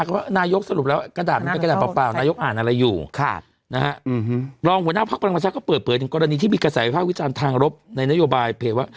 เขาก็บอกว่าวันนี้คุณแพทย์บุญนิย์ติประวัติศาสตร์